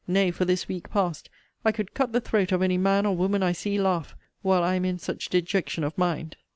Nay, for this week past, I could cut the throat of any man or woman I see laugh, while I am in such dejection of mind.